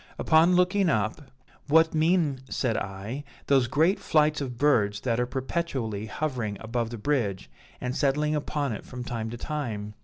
Upon looking up, 'What mean,' said I, 'those great flights of birds that are perpetually hovering about the bridge and settling upon it from time to time?